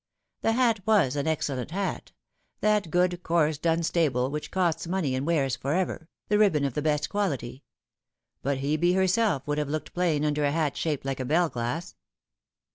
The hat was an excellent hat : that good coarse Dunstable, which costs money and wears for ever, the ribbon of the best quality ; but Hebe herself would have looked plain under a hat shaped like a bell glass.